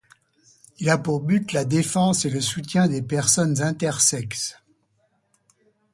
Il a pour but la défense et le soutien des personnes intersexes.